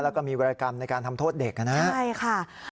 แล้วก็มีวัยกรรมในการทำโทษเด็กนะครับ